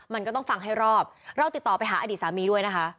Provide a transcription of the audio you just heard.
มันก็ต้องฟังให้รอบเราติดต่อไปหาอดีตสามีด้วยนะคะ